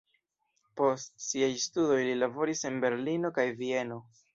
Post siaj studoj li laboris en Berlino kaj Vieno.